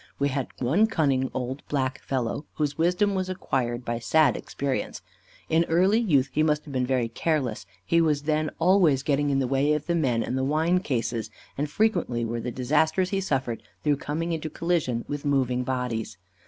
We had one cunning old black fellow, whose wisdom was acquired by sad experience. In early youth, he must have been very careless; he then was always getting in the way of the men and the wine cases, and frequent were the disasters he suffered through coming into collision with moving bodies.